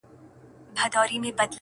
یو د بل په کور کي تل به مېلمانه وه!!